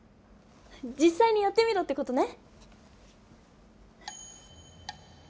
じっさいにやってみろってことね！